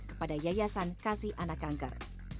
kepada yayasan kasih anak kanker